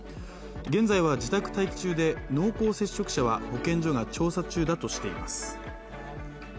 現在は自宅待機中で濃厚接触者は保健所が調査中だとしています。